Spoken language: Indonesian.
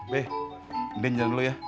be dengel dulu ya